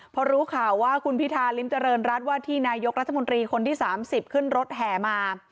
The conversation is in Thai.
พอรู้ข่าวว่าคุณพิธาริมเจริญรัฐว่าที่นายกรัฐมนตรีคนที่๓๐ขึ้นรถแห่มา